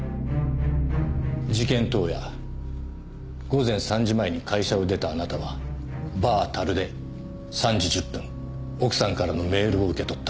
事件当夜午前３時前に会社を出たあなたはバー樽で３時１０分奥さんからのメールを受け取った。